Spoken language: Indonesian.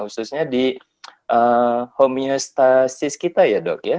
khususnya di homeostasis kita ya dok ya